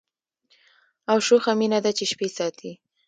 او شوخه مینه ده چي شپې ساتي